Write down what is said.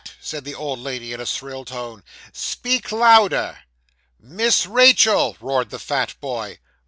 said the old lady, in a shrill tone. 'Speak louder.' 'Miss Rachael,' roared the fat boy.